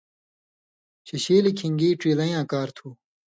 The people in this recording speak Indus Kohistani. شِشیلیۡ کَھن٘گی ڇیلیں یاں کار تُھو۔